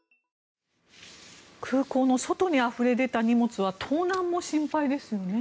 空港の外にあふれ出た荷物は盗難も心配ですよね。